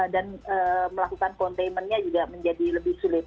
dan melakukan containmentnya juga menjadi lebih sulit